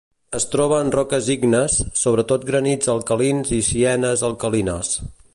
Es troba en roques ígnies, sobretot granits alcalins i sienites alcalines.